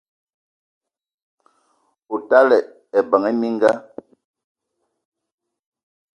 O tala ebeng minga